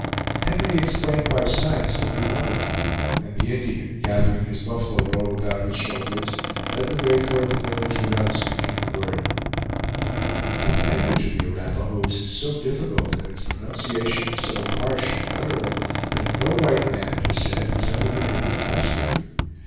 Henry explained by signs what we wanted, and the Indian, gathering his buffalo robe about his shoulders, led the way toward the village without speaking a word. The language of the Arapahoes is so difficult, and its pronunciations so harsh and guttural, that no white man, it is said, has ever been able to master it.